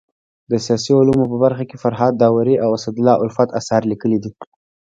د سیاسي علومو په برخه کي فرهاد داوري او اسدالله الفت اثار ليکلي دي.